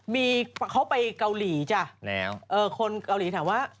มีเขาไปเกาหลีจ้ะคนเกาหลีถามว่า